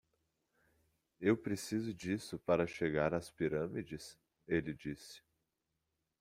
"Eu preciso disso para chegar às Pirâmides?" ele disse.